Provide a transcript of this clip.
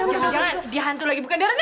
jangan jangan dia hantu lagi bukan darna